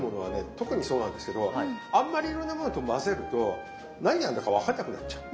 特にそうなんですけどあんまりいろんなものと混ぜると何が何だか分かんなくなっちゃう。